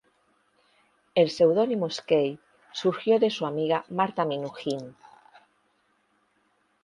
El pseudónimo "Skay" surgió de su amiga Marta Minujín.